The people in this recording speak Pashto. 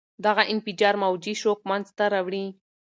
دغه انفجار موجي شوک منځته راوړي.